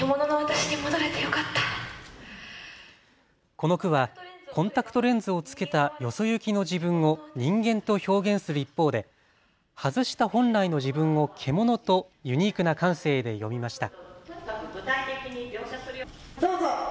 この句はコンタクトレンズをつけたよそ行きの自分をニンゲンと表現する一方で外した本来の自分を獣とユニークな感性で詠みました。